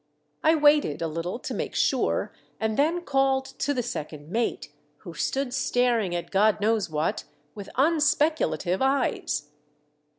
I waited a little to make sure, and then called to the second mate, who stood staring at God knows what, with unspeculative eyes.